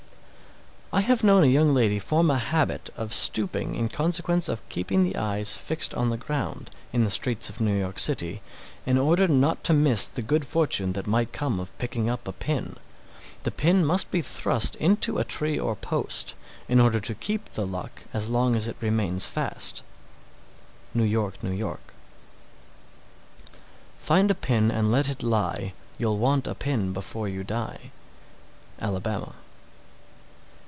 "I have known a young lady form a habit of stooping in consequence of keeping the eyes fixed on the ground, in the streets of New York city, in order not to miss the good fortune that might come of picking up a pin. The pin must be thrust into a tree or post, in order to keep the luck as long as it remains fast." New York, N.Y. 642. Find a pin and let it lie, You'll want a pin before you die. _Alabama.